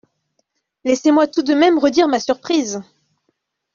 Laissez-moi tout de même redire ma surprise.